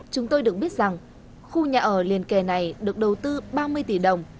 chúng tôi được biết rằng khu nhà ở liền kề này được đầu tư ba mươi tỷ đồng